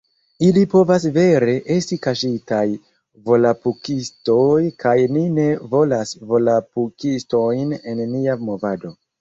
Ili povas vere esti kaŝitaj volapukistoj kaj ni ne volas volapukistojn en nia movado